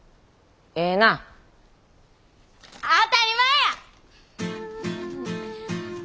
当たり前や！